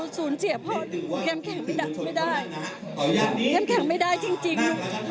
สูญเจียบพ่อแข็งแข็งไม่ได้แข็งแข็งไม่ได้จริง